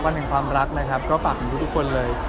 เป็นวันดินความรักนะครับก็ฝากของทุกคนเลย